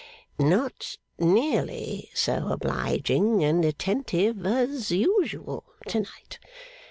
not nearly so obliging and attentive as usual to night.